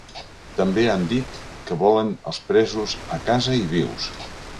També han dit que volen els presos ‘a casa i vius’.